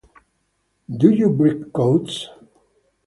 Do you break codes?